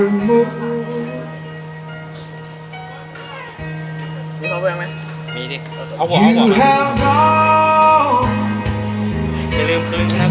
คุณเป็นประสวทธิ์ของฝั่ง